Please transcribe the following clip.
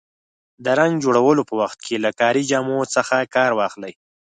د رنګ جوړولو په وخت کې له کاري جامو څخه کار واخلئ.